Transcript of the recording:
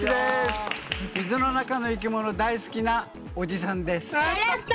水の中の生き物大好きなおじさんです。